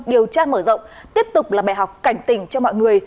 điều tra mở rộng tiếp tục là bài học cảnh tỉnh cho mọi người